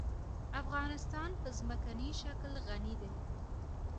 افغانستان په ځمکنی شکل غني دی.